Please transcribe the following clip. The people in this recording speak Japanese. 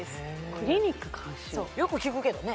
クリニック監修よく聞くけどね